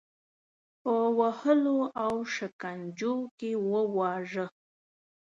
په وهلو او شکنجو کې وواژه.